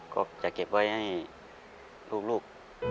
ก็จะเก็บไว้ให้ลูก